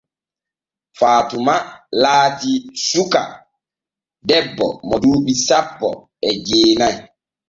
Faatuma laati suka debbo mo duuɓi sanpo e jeena'i.